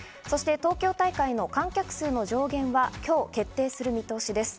東京大会の観客数の上限は今日、決定する見通しです。